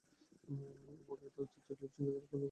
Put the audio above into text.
অপকারিতা: অতিরিক্ত টেলিভিশন দেখার কিছু ক্ষতিকর দিকও রয়েছে।